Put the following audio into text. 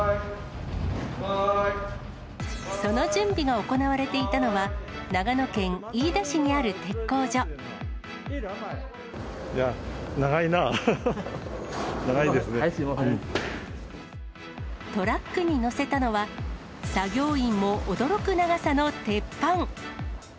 その準備が行われていたのは、いやぁ、トラックに載せたのは、作業員も驚く長さの鉄板。